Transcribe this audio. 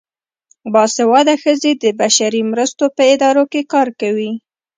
باسواده ښځې د بشري مرستو په ادارو کې کار کوي.